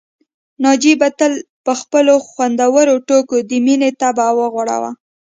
ناجيې به تل په خپلو خوندورو ټوکو د مينې طبع وغوړاوه